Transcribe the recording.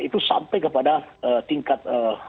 itu sampai kepada tingkat